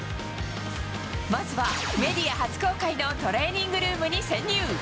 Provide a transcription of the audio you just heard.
まずはメディア初公開のトレーニングルームに潜入。